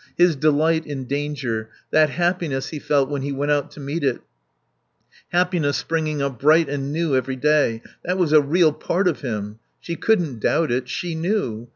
His delight in danger, that happiness he felt when he went out to meet it, happiness springing up bright and new every day; that was a real part of him. She couldn't doubt it. She knew.